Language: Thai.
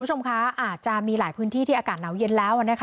คุณผู้ชมคะอาจจะมีหลายพื้นที่ที่อากาศหนาวเย็นแล้วนะคะ